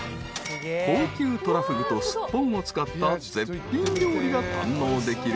［高級トラフグとスッポンを使った絶品料理が堪能できる